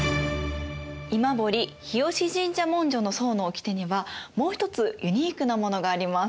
今堀日吉神社文書の惣のおきてにはもう一つユニークなものがあります。